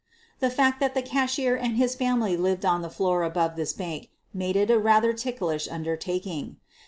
The fact that the cashier and his family lived on the floor above this bank made it a rather ticklish undertaking.